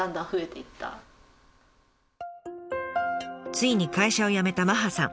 ついに会社を辞めた麻葉さん。